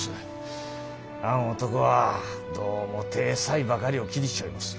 あん男はどうも体裁ばかりを気にしちょいもす。